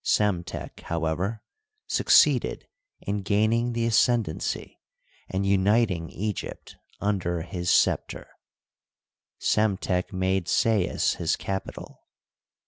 Psemtek, how ever, succeeded in gaining the ascendency and uniting Egypt under his scepter. Psemtek made Sais his capital.